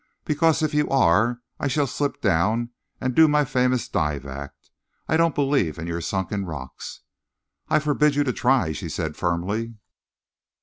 "Because if you are I shall slip down and do my famous dive act. I don't believe in your sunken rocks." "I forbid you to try," she said firmly.